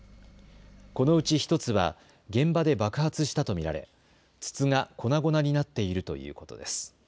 このうち１つは現場で爆発したと見られ、筒が粉々になっているということです。